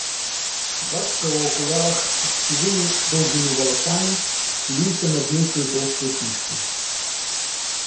Бацька ў акулярах з сівымі доўгімі валасамі схіліўся над нейкаю тоўстаю кніжкаю.